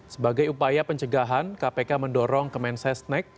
sebagai upaya pencegahan kpk mendorong kemen sesnek